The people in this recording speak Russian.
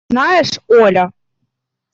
Знаешь, Оля!